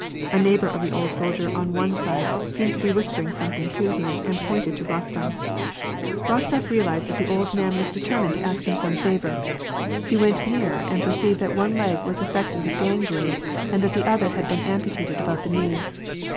A neighbor of the old sol dier on one side seemed to be whispering something to him, and pointed to Rostof. Rostof realized that the old man was ^ 138 y^AR AND PEACE. determined to ask him some favor. He went nearer and per ceived that one leg was affected with gangrene, and that the other had been amputated above the knee.